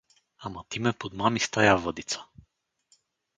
Ама ти ме подмами с тая въдица.